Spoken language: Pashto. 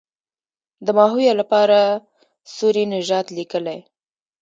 د ماهویه لپاره سوري نژاد لیکلی.